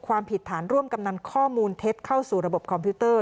ความผิดฐานร่วมกำนันข้อมูลเท็จเข้าสู่ระบบคอมพิวเตอร์